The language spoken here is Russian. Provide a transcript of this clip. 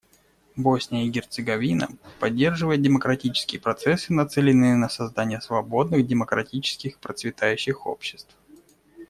Босния и Герцеговина поддерживает демократические процессы, нацеленные на создание свободных, демократических и процветающих обществ.